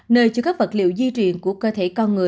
nơi cho các vật liệu di truyền của cơ thể